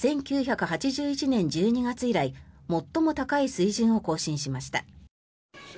１９８１年１２月以来最も高い水準を更新しました。